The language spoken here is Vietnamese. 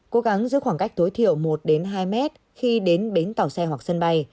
cố gắng giữ khoảng cách tối thiểu một hai mét khi đến bến tàu xe hoặc sân bay